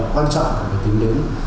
quan trọng của cái tính đến